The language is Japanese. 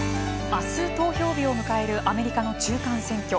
あす投票日を迎えるアメリカの中間選挙。